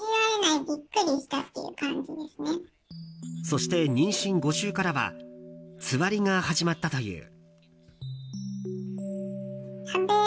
そして、妊娠５週からはつわりが始まったという。